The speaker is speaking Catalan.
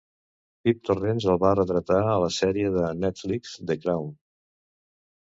Pip Torrens el va retratar a la sèrie de Netflix "The Crown".